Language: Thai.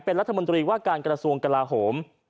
เป็นรัฐมนตรีว่าการกระทรวงกลาโหม